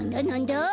なんだ？